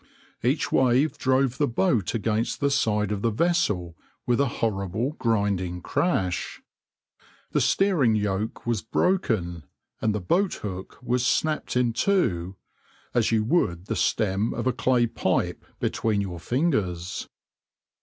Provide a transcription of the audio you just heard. Each wave drove the boat against the side of the vessel with a horrible, grinding crash. The steering yoke was broken, and the boat hook was snapped in two, "as you would the stem of a clay pipe between your fingers."